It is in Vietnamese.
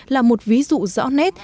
là một ví dụ rõ nét